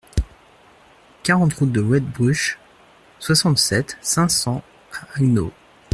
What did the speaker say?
quarante route de Weitbruch, soixante-sept, cinq cents à Haguenau